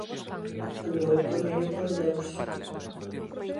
Andou o camiño con Deus.